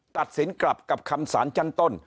ตัดสินกลับกับคำสารชั้นต้น